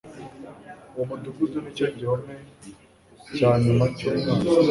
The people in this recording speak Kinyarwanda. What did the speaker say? Uwo mudugudu nicyo gihome cyanyuma cyumwanzi